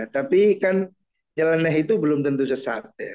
tapi kan nyeleneh itu belum tentu sesat